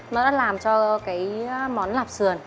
nó đã làm cho cái món lạp sườn